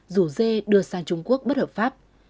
rủ dê đưa sang trung quốc bất hợp pháp